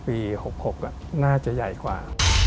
ปี๖๖น่าจะใหญ่กว่า